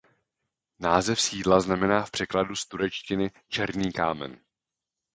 Název sídla znamená v překladu z turečtiny "černý kámen".